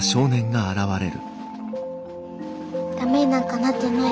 駄目になんかなってない。